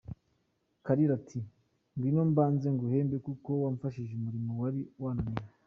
Kalira ati "Ngwino mbanze nguhembe kuko wamfashije umurimo wari wananiye".